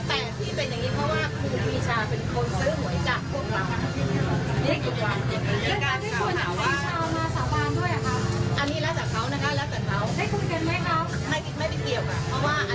แต่ที่เป็นอย่างนี้เพราะว่าครูปีชาเป็นคนซื้อหวยจากพวกเรา